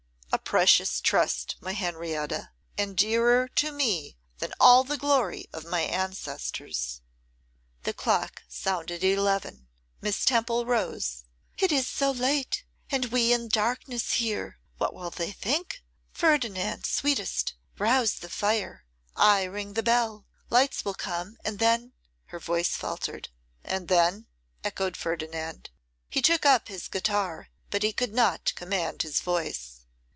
'A precious trust, my Henrietta, and dearer to me than all the glory of my ancestors.' The clock sounded eleven. Miss Temple rose. 'It is so late, and we in darkness here! What will they think? Ferdinand, sweetest, rouse the fire. I ring the bell. Lights will come, and then ' Her voice faltered. 'And then ' echoed Ferdinand. He took up his guitar, but he could not command his voice.